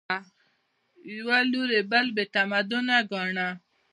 یوه لوري بل بې تمدنه ګاڼه